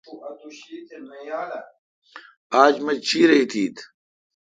آج مہ چیرہ ایتیتھ ۔